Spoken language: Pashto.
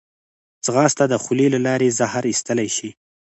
ځغاسته د خولې له لارې زهر ایستلی شي